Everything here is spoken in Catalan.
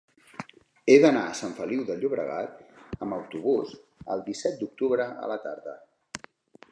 He d'anar a Sant Feliu de Llobregat amb autobús el disset d'octubre a la tarda.